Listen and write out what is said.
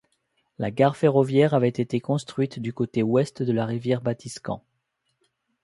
La gare ferroviaire avait été construite du côté ouest de la rivière Batiscan.